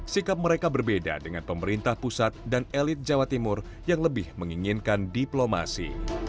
sikap mereka berbeda dengan pemerintah pusat dan elit jawa timur yang lebih menginginkan diplomasi